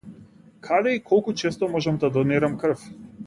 Каде и колку често можам да донирам крв?